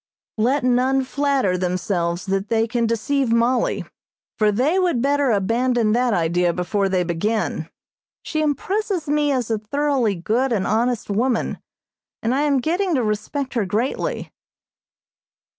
Let none flatter themselves that they can deceive Mollie, for they would better abandon that idea before they begin. She impresses me as a thoroughly good and honest woman, and I am getting to respect her greatly.